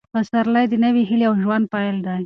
پسرلی د نوې هیلې او ژوند پیل دی.